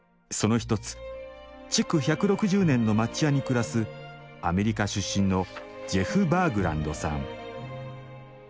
そのひとつ、築１６０年の町家に暮らすアメリカ出身のジェフ・バーグランドさん。